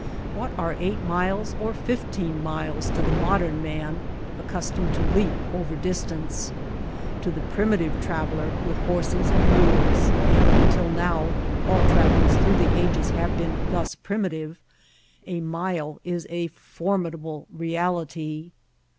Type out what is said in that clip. What are eight miles or fifteen miles to the modern man accustomed to leap over distance? To the primitive trav eler with horses and mules, and until now all travelers throughout the ages have been thus primitive, a mile is a formidable reality.